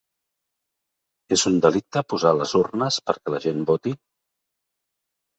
És un delicte posar les urnes perquè la gent voti?